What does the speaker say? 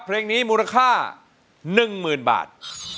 เพลงนี้มูลค่าหนึ่งหมื่นบาท